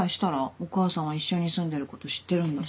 お母さんは一緒に住んでること知ってるんだし。